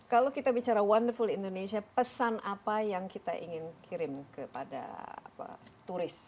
kalau kita bicara wonderful indonesia pesan apa yang kita ingin kirim kepada turis